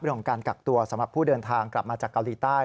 เรื่องของการกักตัวสำหรับผู้เดินทางกลับมาจากเกาหลีใต้